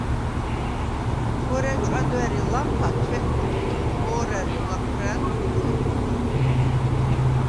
ქორა̈ ჭვა̈დვა̈რ ი ლამფა თვეთნე ლიხ, ყო̄რა̈ლ ი ლაჴვრა̄̈̈ლ – ყვითელ.